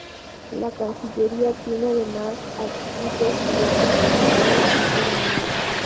La cancillería tiene además adscritos diversos consulados en todo el mundo.